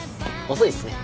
遅いっすね。